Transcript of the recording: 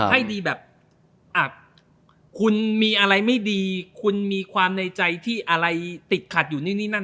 ให้ดีแบบอับคุณมีอะไรไม่ดีคุณมีความในใจที่อะไรติดขัดอยู่นี่นั่น